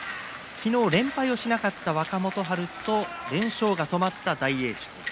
昨日、連敗をしなかった若元春と連勝が止まった大栄翔。